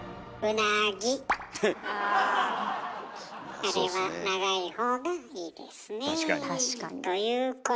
あれは長いほうがいいですね。